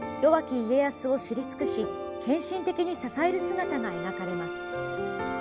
家康を知り尽くし献身的に支える姿が描かれます。